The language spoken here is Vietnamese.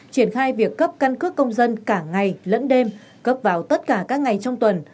triển khai việc cấp căn cước công dân cả ngày lẫn đêm cấp vào tất cả các ngày trong tuần